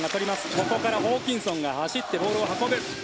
ここからホーキンソンが走ってボールを運ぶ。